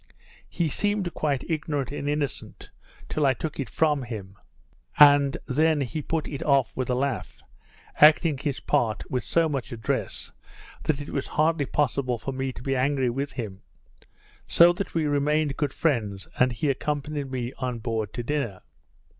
He seemed quite ignorant and innocent, till I took it from him; and then he put it off with a laugh, acting his part with so much address, that it was hardly possible for me to be angry with him; so that we remained good friends, and he accompanied me on board to dinner.